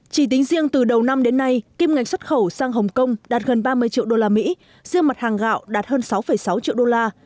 chỉ tính riêng từ đầu năm đến nay kim ngạch xuất khẩu sang hồng kông đạt gần ba mươi triệu đô la mỹ riêng mặt hàng gạo đạt hơn sáu sáu triệu đô la